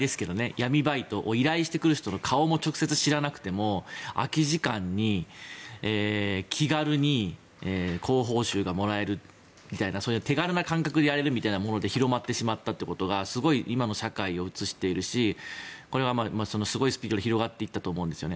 闇バイトを依頼してくる人の顔を直接知らなくても空き時間に気軽に高報酬がもらえるみたいなそういう手軽な感覚でやれるみたいなもので広まってしまったということがすごい、今の社会を映しているしすごいスピードで広がっていったと思うんですね。